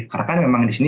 karena kan memang di sini